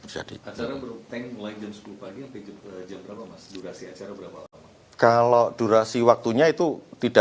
ajaran berhubungan mulai jam sepuluh pagi sampai jam berapa mas durasi acara berapa lama